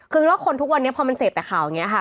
คือคิดว่าคนทุกวันนี้พอมันเสพแต่ข่าวอย่างนี้ค่ะ